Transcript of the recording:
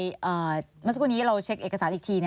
เมื่อสักครู่นี้เราเช็คเอกสารอีกที